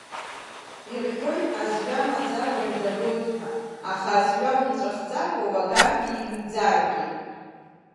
Ирҳәоит, азҩа маӡа уаҩ дагоит ҳәа, аха азҩа умҵәахӡакәа уагаргьы, иуӡаргьы.